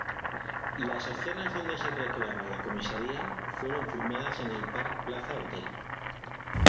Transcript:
Las escenas donde se recreaba la comisaría, fueron filmadas en el Park Plaza Hotel.